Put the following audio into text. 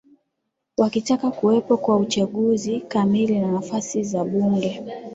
wakitaka kuwepo kwa uchaguzi kamili wa nafasi za bunge